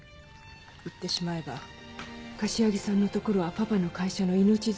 言ってしまえば柏木さんのとこはパパの会社の命綱。